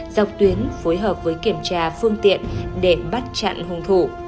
dọc tuyến phối hợp với kiểm tra phương tiện để bắt chặn hùng thủ